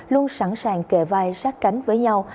luôn sẵn sàng kề vai sát cánh với nhau